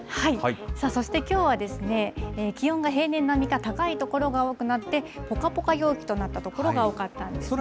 さあ、そしてきょうは、気温が平年並みか高い所が多くなって、ぽかぽか陽気となった所が多かったんですね。